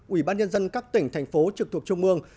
ủy ban nhân dân các tỉnh thành phố trực thuộc trung ương